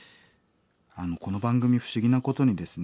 この番組不思議なことにですね